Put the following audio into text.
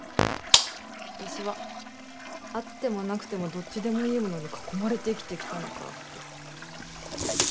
私はあってもなくてもどっちでもいいものに囲まれて生きてきたのかって。